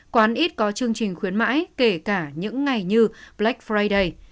quán ít có chương trình khuyến mãi kể cả những ngày như black friday